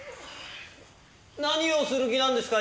何をする気なんですか？